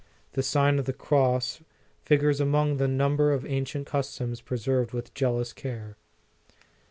The Sign of the Cross figures among the number of ancient customs preserved with jealous care.